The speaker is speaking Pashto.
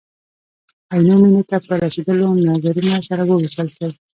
عینو مینې ته په رسېدلو نظرونه سره ووېشل شول.